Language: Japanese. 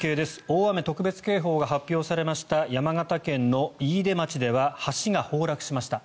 大雨特別警報が発表されました山形県の飯豊町では橋が崩落しました。